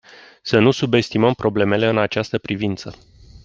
Să nu subestimăm problemele în această privință.